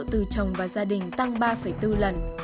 từ chồng và gia đình tăng ba bốn lần